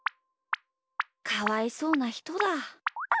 かわいそうなひとだ。